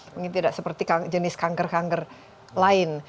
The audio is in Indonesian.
mungkin tidak seperti jenis kanker kanker lain